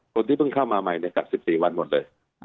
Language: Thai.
คนที่เพิ่งเข้ามาใหม่กัก๑๔วันหมดเลย